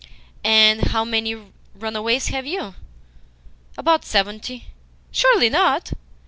"And how many runaways have you?" "About seventy." "Surely not?"